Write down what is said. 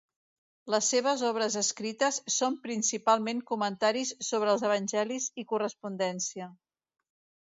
Les seves obres escrites són principalment comentaris sobre els evangelis i correspondència.